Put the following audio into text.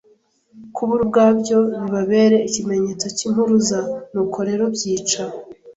kubura ubwabyo bibabere ikimenyetso cyimpuruza, nuko rero byica